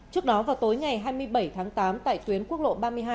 trước đó vào tối ngày hai mươi bảy tháng tám tại tuyến quốc lộ ba mươi hai